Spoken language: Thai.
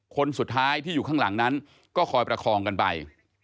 คนสุดท้ายที่อยู่ข้างหลังนั้นก็คอยประคองกันไป